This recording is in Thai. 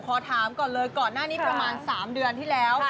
ขอถามก่อนเลยก่อนหน้านี้ประมาณ๓เดือนที่แล้ว